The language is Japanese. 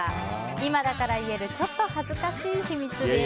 今だから言えるちょっと恥ずかしい秘密です。